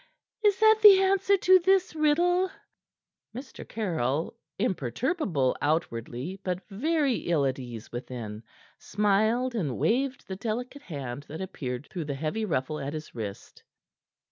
Is that the answer to this riddle?" Mr. Caryll, imperturbable outwardly, but very ill at ease within, smiled and waved the delicate hand that appeared through the heavy ruffle at his wrist.